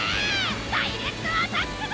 ダイレクトアタックだ！